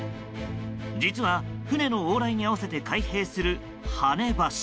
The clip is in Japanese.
実は、船の往来に合わせて開閉する跳ね橋。